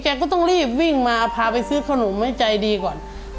ก็ต้องรีบวิ่งมาพาไปซื้อขนมให้ใจดีก่อน